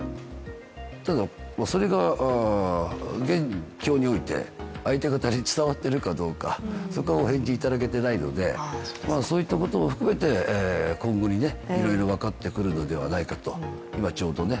ただ、それが現状において相手方に伝わっているかどうか、そこはお返事いただけていないので、そういったことを含めて今後いろいろ分かってくるのではないかとね